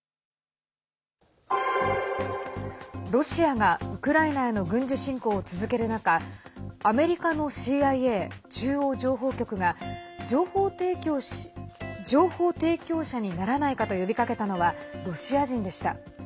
ロシアがウクライナへの軍事侵攻を続ける中アメリカのＣＩＡ＝中央情報局が情報提供者にならないかと呼びかけたのはロシア人でした。